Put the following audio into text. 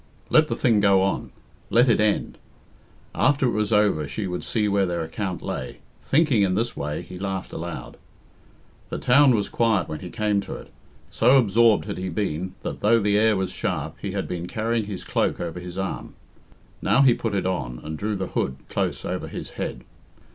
Let the thing go on; let it end. After it was over she would see where their account lay. Thinking in this way, he laughed aloud. The town was quiet when he came to it. So absorbed had he been that, though the air was sharp, he had been carrying his cloak over his arm. Now he put it on, and drew the hood close over his head.